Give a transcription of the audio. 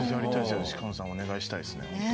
鹿野さんにお願いしたいですね。